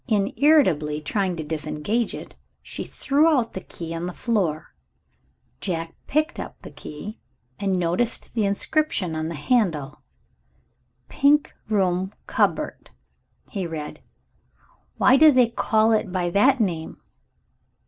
In irritably trying to disengage it, she threw out the key on the floor. Jack picked the key up and noticed the inscription on the handle. "Pink Room Cupboard," he read. "Why do they call it by that name?"